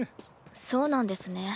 そうなんですね。